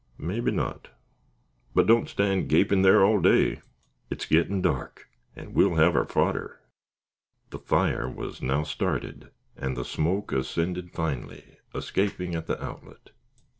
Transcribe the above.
"Mebbe not, but don't stand gapin' there all day. It's gittin' dark, and we'll have our fodder." The fire was now started, and the smoke ascended finely, escaping at the outlet.